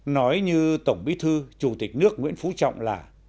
nói như tổng bí thư chủ tịch nước nguyễn phú trọng là